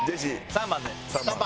３番で。